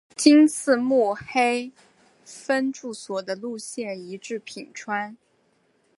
今次目黑分驻所的路线移至品川。